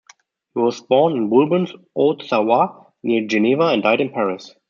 He was born in Vulbens, Haute-Savoie, near Geneva, and died in Paris.